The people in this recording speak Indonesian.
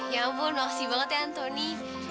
ya ampun makasih banget ya antoni